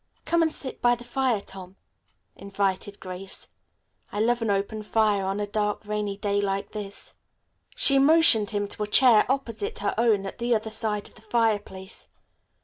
"Come and sit by the fire, Tom," invited Grace. "I love an open fire on a dark, rainy day like this." She motioned him to a chair opposite her own at the other side of the fireplace.